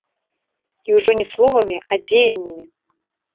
І ўжо не словамі, а дзеяннямі.